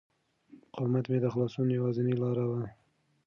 مقاومت مې د خلاصون یوازینۍ لاره وه.